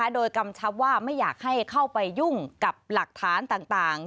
โดยกำชับว่าไม่อยากให้เข้าไปยุ่งกับหลักฐานต่าง